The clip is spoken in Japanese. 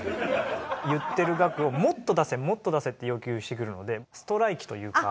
言ってる額をもっと出せもっと出せって要求してくるのでストライキというか。